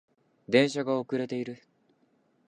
電車が遅れている